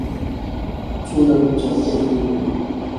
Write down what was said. څو ډوله څرخونه پيژنئ.